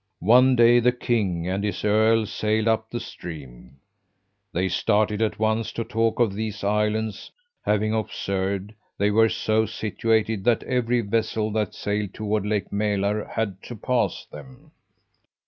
One day the king and his earl sailed up the stream. They started at once to talk of these islands, having observed they were so situated that every vessel that sailed toward Lake Mälar had to pass them.